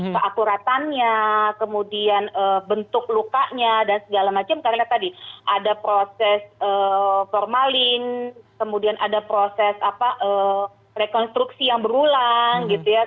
keakuratannya kemudian bentuk lukanya dan segala macam karena tadi ada proses formalin kemudian ada proses rekonstruksi yang berulang gitu ya